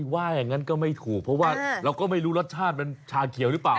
ว่าอย่างนั้นก็ไม่ถูกเพราะว่าเราก็ไม่รู้รสชาติมันชาเขียวหรือเปล่า